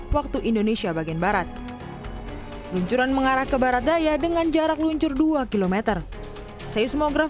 waktu indonesia bagian barat luncuran mengarah ke barat daya dengan jarak luncur dua km seismograf